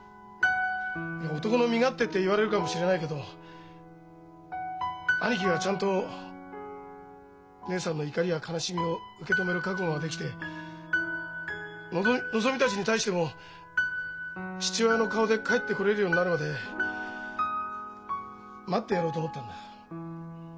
男の身勝手って言われるかもしれないけど兄貴がちゃんと義姉さんの怒りや悲しみを受け止める覚悟ができてのぞみたちに対しても父親の顔で帰ってこれるようになるまで待ってやろうと思ったんだ。